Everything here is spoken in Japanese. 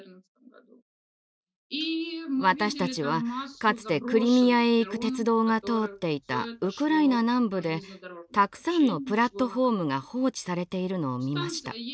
私たちはかつてクリミアへ行く鉄道が通っていたウクライナ南部でたくさんのプラットホームが放置されているのを見ました。